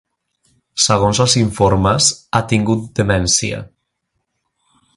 Segons els informes, ha tingut demència.